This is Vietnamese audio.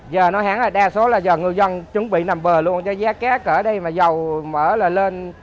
giờ nói hẳn là đa số là giờ ngư dân chuẩn bị nằm bờ luôn cho giá cá cỡ đây mà dầu mở là lên